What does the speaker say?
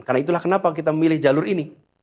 karena itulah kenapa kita memilih jalur ini